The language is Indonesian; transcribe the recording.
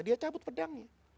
dia cabut pedangnya